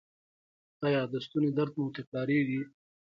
ایا د ستوني درد مو تکراریږي؟